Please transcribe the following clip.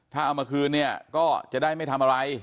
ถ้าเอามาคืนเนี่ยก็จะได้ไม่ทำอะไร